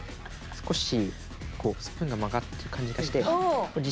少しスプーンが曲がる感じがして。